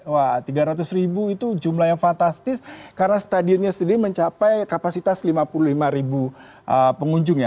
wah tiga ratus ribu itu jumlah yang fantastis karena stadionnya sendiri mencapai kapasitas lima puluh lima ribu pengunjung ya